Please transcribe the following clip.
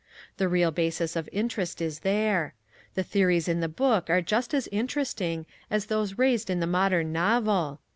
The real basis of interest is there. The theories in the book are just as interesting as those raised in the modern novel.